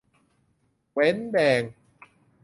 เว้นแดง